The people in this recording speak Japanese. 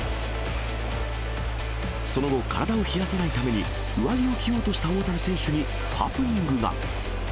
その後、体を冷やさないために、上着を着ようとした大谷選手にハプニングが。